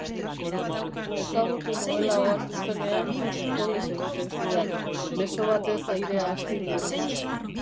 Ezagutu nuela ohartu zenean, oles egiten zidan, beso batez airea astinduz.